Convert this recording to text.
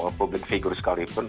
orang public figure sekalipun